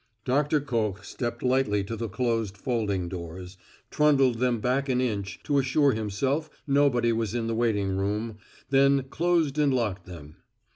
Doctor Koch stepped lightly to the closed folding doors, trundled them back an inch to assure himself nobody was in the waiting room, then closed and locked them.